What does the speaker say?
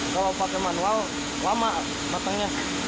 kalau pakai manual lama matangnya